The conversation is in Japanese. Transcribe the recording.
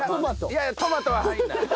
いやいやトマトは入らない！